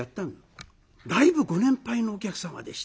だいぶご年配のお客様でした。